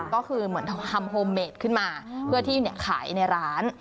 ก็คือเหมือนทำโฮมเมดขึ้นมาเพื่อที่ขายในร้าน